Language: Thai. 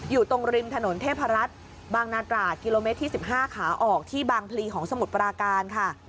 อยู่ตรงริมถนนเทพรัฐบางนาตราดกิโลเมตรที่๑๕ขาออกที่บางพลีของสมุทรปราการค่ะ